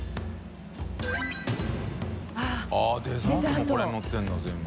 △デザートもこれにのってるんだ全部。